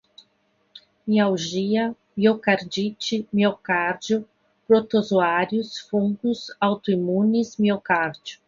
mialgia, miocardite, miocárdio, protozoários, fungos, autoimunes, miocárdio